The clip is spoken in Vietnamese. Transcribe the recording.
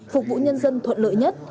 phục vụ nhân dân thuận lợi nhất